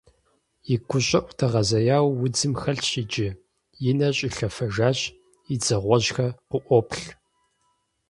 И гущӀыӀу дэгъэзеяуэ удзым хэлъщ иджы, и нэр щӀилъэфэжащ, и дзэ гъуэжьхэр къыӀуоплъ.